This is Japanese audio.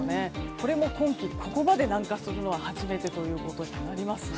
これも今季ここまで南下するのは初めてとなります。